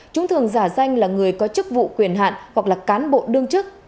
chúng thường giả danh là người có chức vụ quyền hạn hoặc là cán bộ đương chức